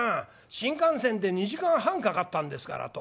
新幹線で２時間半かかったんですから」と。